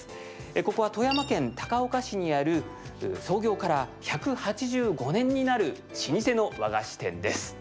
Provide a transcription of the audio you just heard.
ここは、富山県高岡市にある創業から１８５年になる老舗の和菓子店です。